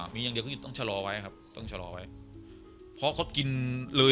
มีอย่างเดียวคือต้องชะลอไว้ครับต้องชะลอไว้เพราะเขากินเลย